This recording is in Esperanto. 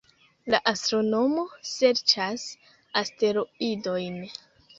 La astronomo serĉas asteroidojn